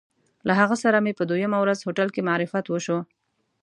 له هغه سره مې په دویمه ورځ هوټل کې معرفت وشو.